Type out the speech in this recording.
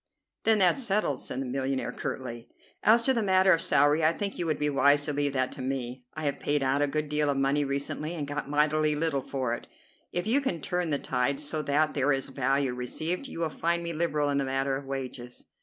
"Then that's settled," said the millionaire curtly. "As to the matter of salary, I think you would be wise to leave that to me. I have paid out a good deal of money recently and got mighty little for it. If you can turn the tide so that there is value received, you will find me liberal in the matter of wages."